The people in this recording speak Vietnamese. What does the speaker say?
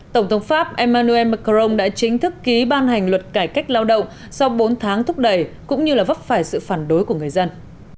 tổng thống pháp emmanuel macron đã chính thức ký ban hành luật cải cách lao động sau bốn tháng thúc đẩy cũng như vấp phải sự phản đối của người dân